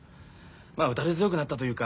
まあ打たれ強くなったというか。